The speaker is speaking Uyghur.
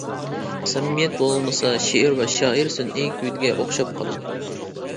سەمىمىيەت بولمىسا، شېئىر ۋە شائىر سۈنئىي گۈلگە ئوخشاپ قالىدۇ.